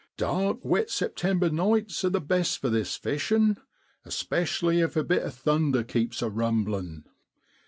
Dark, wet September nights are the best for this fishin', especially if a bit of thunder keeps a rumblin'.